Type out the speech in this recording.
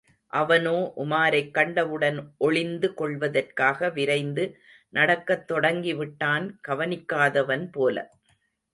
அவனோ, உமாரைக் கண்டவுடன், ஒளிந்து கொள்வதற்காக விரைந்து நடக்கத் தொடங்கிவிட்டான் கவனிக்காதவன் போல.